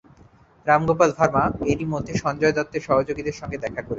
রাম গোপাল ভার্মা এরই মধ্যে সঞ্জয় দত্তের সহযোগীদের সঙ্গে দেখা করেছেন।